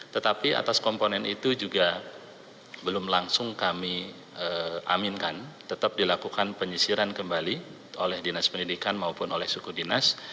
tetapi atas komponen itu juga belum langsung kami aminkan tetap dilakukan penyisiran kembali oleh dinas pendidikan maupun oleh suku dinas